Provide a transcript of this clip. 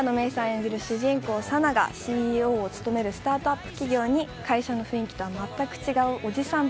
演じる主人公佐奈がＣＥＯを務めるスタートアップ企業に会社の雰囲気とは全く違うおじさん